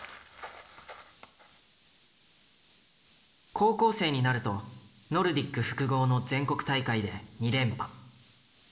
高校生になるとノルディック複合の全国大会で２連覇。